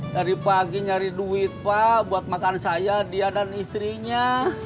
dari pagi nyari duit pak buat makan saya dia dan istrinya